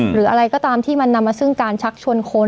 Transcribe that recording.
หรืออะไรก็ตามที่มันนำมาซึ่งการชักชวนคน